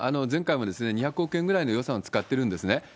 前回も２００億円ぐらいの予算を使ってるんですね。